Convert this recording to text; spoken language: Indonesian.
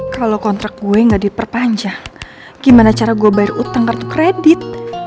kalau kontrak gue gak diperpanjang gimana cara gue bayar utang kartu kredit